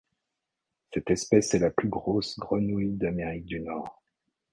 Cette espèce est la plus grosse grenouille d'Amérique du Nord.